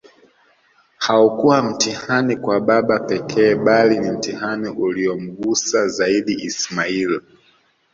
Haukua mtihani kwa baba pekee bali ni mtihani uliyomgusa zaidiIsmail